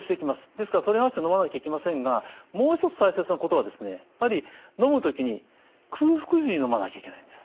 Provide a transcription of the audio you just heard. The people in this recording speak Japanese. ですからそれに合わせてのまなきゃいけませんがもう一つ大切なことはやっぱりのむ時に空腹時にのまなきゃいけないです。